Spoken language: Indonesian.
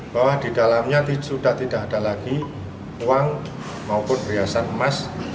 bahwa di dalamnya sudah tidak ada lagi uang maupun perhiasan emas